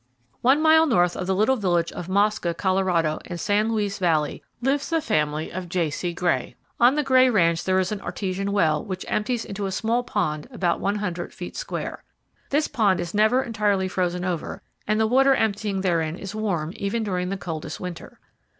One mile north of the little village of Mosca, Colorado, in San Luis valley, lives the family of J.C. Gray. On the Gray ranch there is an artesian well which empties into a small pond about 100 feet square. This pond is never entirely frozen over and the water emptying therein is warm even during the coldest winter.